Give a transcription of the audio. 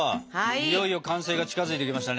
いよいよ完成が近づいてきましたね！